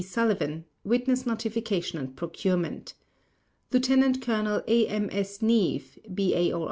SULLIVAN Witness Notification and Procurement LIEUTENANT COLONEL A. M. S. NEAVE, B.A.